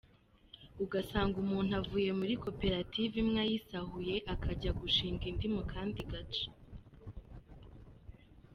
Ugasanga umuntu avuye muri koperative imwe ayisahuye akajya gushinga indi mu kandi gace.